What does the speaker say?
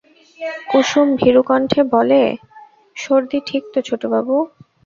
কুসুম ভীরুকষ্ঠে বলে, সর্দি ঠিক তো ছোটবাবু?